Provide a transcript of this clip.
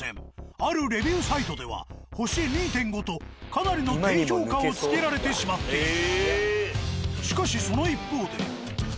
あるレビューサイトでは星２．５とかなりの低評価をつけられてしまっている。